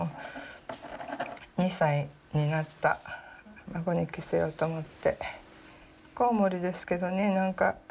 ２歳になった孫に着せようと思ってコウモリですけどね